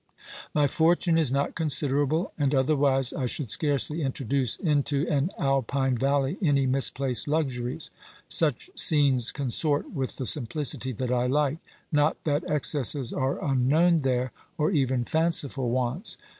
My fortune is not considerable, and otherwise I should scarcely introduce into an Alpine valley any misplaced luxuries ; such scenes consort with the simplicity that I like, not that excesses are unknown there, or even fanciful wants.